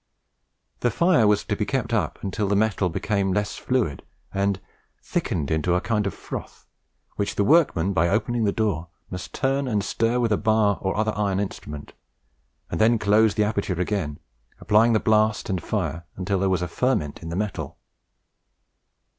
The fire was to be kept up until the metal became less fluid, and "thickened into a kind of froth, which the workman, by opening the door, must turn and stir with a bar or other iron instrument, and then close the aperture again, applying the blast and fire until there was a ferment in the metal."